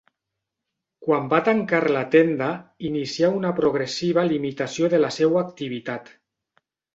Quan va tancar la tenda, inicià una progressiva limitació de la seua activitat.